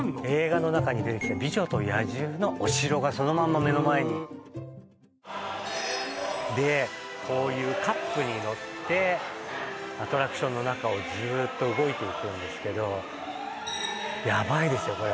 映画の中に出てきた「美女と野獣」のお城がそのまんま目の前にでこういうカップに乗ってアトラクションの中をずっと動いていくんですけどヤバいですよ